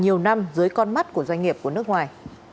nhiều năm dưới con mắt của doanh nghiệp của nước ngoài